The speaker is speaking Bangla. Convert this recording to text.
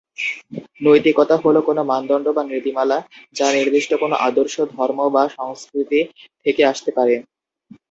নৈতিকতা হলো কোনো মানদন্ড বা নীতিমালা যা নির্দিষ্ট কোন আদর্শ, ধর্ম বা সংস্কৃতি থেকে আসতে পারে।